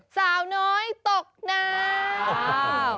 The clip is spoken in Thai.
สาวน้อยตกน้ำ